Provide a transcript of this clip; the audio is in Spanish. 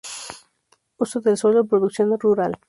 Uso del suelo, producción rural.